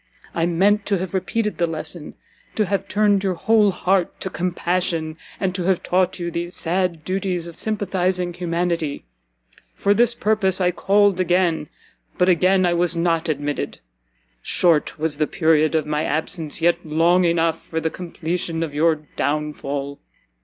I meant to have repeated the lesson, to have tuned your whole heart to compassion, and to have taught you the sad duties of sympathising humanity. For this purpose I called again, but again I was not admitted! Short was the period of my absence, yet long enough for the completion of your downfall!"